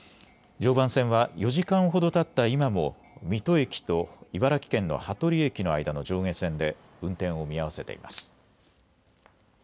常磐線は４時間ほどたった今も水戸駅と茨城県の羽鳥駅の間の上下線で運転を見合わせています。